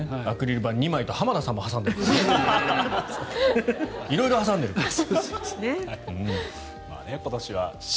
アクリル板２枚と浜田さんも挟んで色々挟んでる。